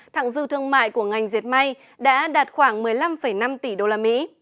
thẳng dư thương mại của ngành diệt may đã đạt khoảng một mươi năm năm tỷ usd